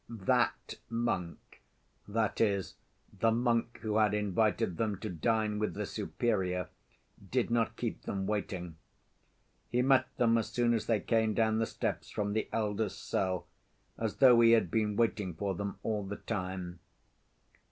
"That monk," that is, the monk who had invited them to dine with the Superior, did not keep them waiting. He met them as soon as they came down the steps from the elder's cell, as though he had been waiting for them all the time.